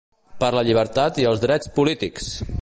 Per la llibertat i els drets polítics!